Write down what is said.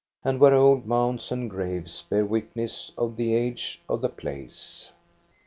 and where old mounds and graves bear witness of the age of the place.